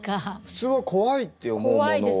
普通は怖いって思うものを。